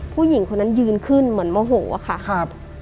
ผู้หญิงคนนั้นยืนขึ้นเหมือนโมโหอะค่ะครับ